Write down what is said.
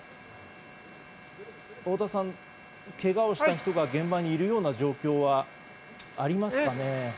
太田さん、まだけがをした人が現場にいる状況はありますか？